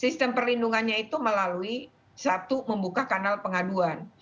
sistem perlindungannya itu melalui satu membuka kanal pengaduan